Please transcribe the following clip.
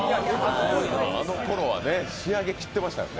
あのころは仕上げきってましたからね。